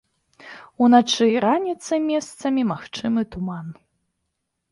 Уначы і раніцай месцамі магчымы туман.